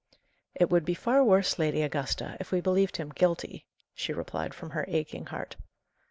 "It would be far worse, Lady Augusta, if we believed him guilty," she replied from her aching heart.